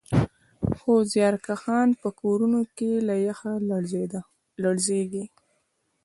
خو زیارکښان په کورونو کې له یخه لړزېږي